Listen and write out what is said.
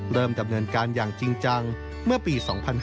ดำเนินการอย่างจริงจังเมื่อปี๒๕๕๙